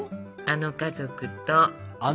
あの家族？